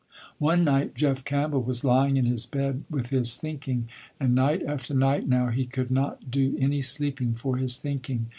One night Jeff Campbell was lying in his bed with his thinking, and night after night now he could not do any sleeping for his thinking.